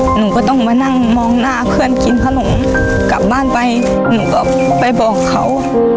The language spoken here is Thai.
หนูก็ต้องมานั่งมองหน้าเพื่อนกินขนมกลับบ้านไปหนูก็ไปบอกเขา